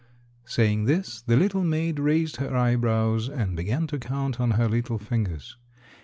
Saying this the little maid raised her eyebrows and began to count on her little fingers.